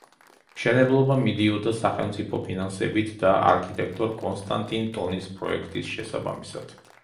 მშენებლობა მიდიოდა სახელმწიფო ფინანსებით და არქიტექტორ კონსტანტინ ტონის პროექტის შესაბამისად.